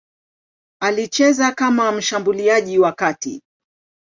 Alicheza kama mshambuliaji wa kati.